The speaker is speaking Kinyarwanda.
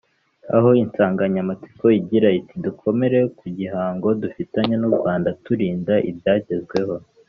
aho insanganyamatsiko igira iti “dukomere ku gihango dufitanye n’u Rwanda turinda ibyagezweho”